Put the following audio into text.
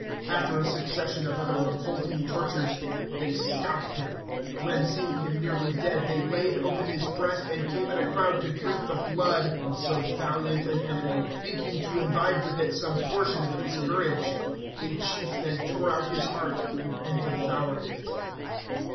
After a succession of other revolting tortures, they scalped him; when, seeing him nearly dead, they laid open his breast, and came in a crowd to drink the blood of so valiant an enemy, thinking to imbibe with it some portion of his courage. A chief then tore out his heart, and devoured it.